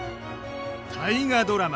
大河ドラマ